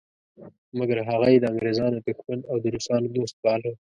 مګر هغه یې د انګریزانو دښمن او د روسانو دوست باله.